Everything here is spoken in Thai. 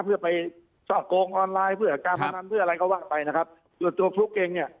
เพื่อไปช่อกงออนไลน์เพื่อการพนันเพื่ออะไรก็ว่าไปนะครับส่วนตัวฟลุ๊กเองเนี่ย